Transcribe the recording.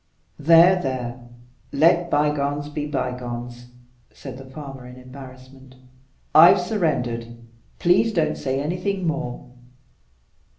"There, there! Let bygones be bygones," said the farmer in embarrassment. "I've surrendered. Please don't say anything more."